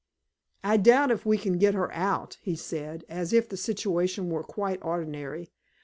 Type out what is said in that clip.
"I doubt if we can get her out," he said, as if the situation were quite ordinary.